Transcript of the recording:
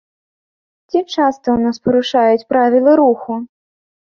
Ці часта ў нас парушаюць правілы руху?